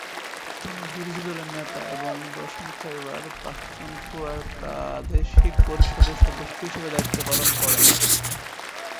তিনি বিরোধী দলের নেতা এবং দশম খাইবার পাখতুনখোয়ার প্রাদেশিক পরিষদের সদস্য হিসেবে দায়িত্ব পালন করেন।